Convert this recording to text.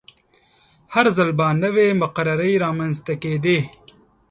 هر ځل به نوې مقررې رامنځته کیدې.